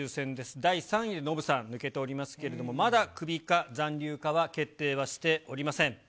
第３位、ノブさん抜けておりますけれども、まだクビか、残留かは決定はしておりません。